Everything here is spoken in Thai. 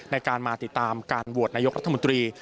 ในการมาติดตามการโหวตนายกรัฐมนตรี